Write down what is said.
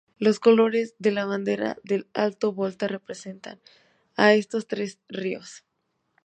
Los colores de la bandera del Alto Volta representan a estos tres ríos.